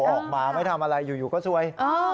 ออกมาไม่ทำอะไรอยู่ก็ซวย